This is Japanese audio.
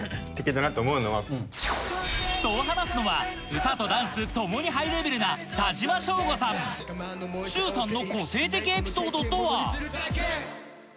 そう話すのは歌とダンス共にハイレベルな許さんの個性的エピソードとは？